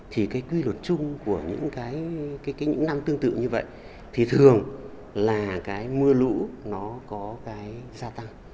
thì quy luật chung của những năm tương tự như vậy thì thường là mưa lũ có gia tăng